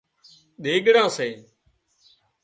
ۮِيڳڙان سي